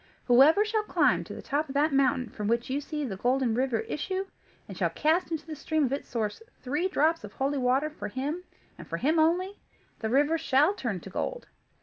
Whoever shall climb to the top of that mountain from which you see the Golden River issue, and shall cast into the stream at its source three drops of holy water, for him, and for him only, the river shall turn to gold.